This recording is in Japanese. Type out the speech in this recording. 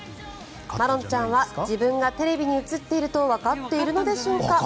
まろんちゃんは自分がテレビに映っているとわかっているのでしょうか。